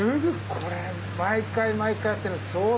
これ毎回毎回やってるの相当大変ですね。